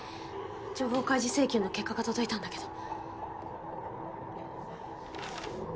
情報開示請求の結果が届いたんだけど。